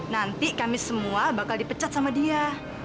nanti kami semua bakal dipecat sama dia